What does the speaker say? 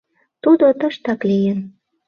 Тудо тыштак лийын.